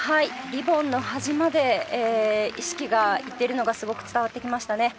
リボンの端まで意識がいっているのがすごく伝わってきましたね。